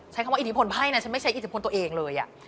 ใช้คำว่าอิทธิพลไพ่นะฉันไม่ใช้อิทธิพลตัวเองเลย